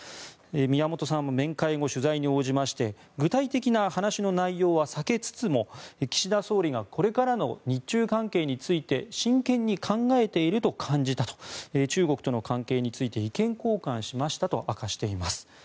宮本さんは面会後取材に応じまして具体的な話の内容は避けつつも岸田総理がこれからの日中関係について真剣に考えていると感じたと中国との関係について意見交換しましたと明かしています。